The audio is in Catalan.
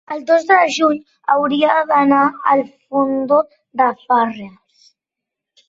El dos de juny hauria d'anar al Fondó dels Frares.